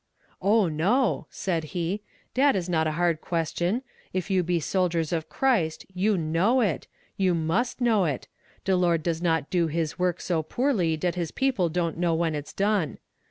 "Oh no," said he, "dat is not a hard question if you be soldiers of Christ you know it, you must know it; de Lord does not do His work so poorly dat His people don't know when it's done.